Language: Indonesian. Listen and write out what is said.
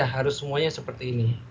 harus semuanya seperti ini